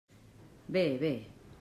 Bé, bé!